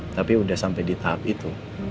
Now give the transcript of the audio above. tapi sudah sampai di tahap itu